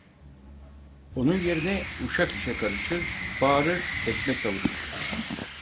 Onun yerine uşak işe karışır: Bağırır, tekme savurur.